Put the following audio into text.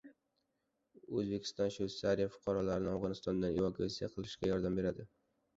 O‘zbekiston Shveytsariya fuqarolarini Afg‘onistondan evakuatsiya qilishga yordam beradi